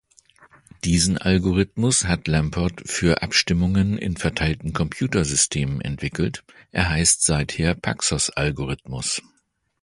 Diesen Algorithmus hat Lamport für Abstimmungen in verteilten Computersystemen entwickelt; er heißt seither Paxos-Algorithmus.